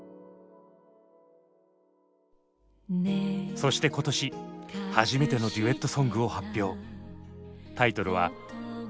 そして今年初めてのデュエットソングを発表。